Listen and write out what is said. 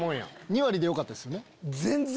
２割でよかったんすよね。